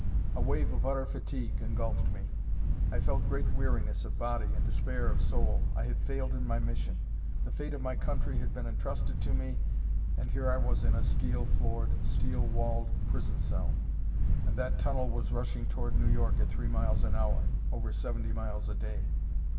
A wave of utter fatigue engulfed me. I felt great weariness of body and despair of soul. I had failed in my mission. The fate of my country had been entrusted to me and here I was in a steel floored, steel walled prison cell. And that tunnel was rushing toward New York at three miles an hour; over seventy miles a day.